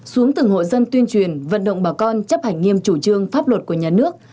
xuống từng hộ dân tuyên truyền vận động bà con chấp hành nghiêm chủ trương pháp luật của nhà nước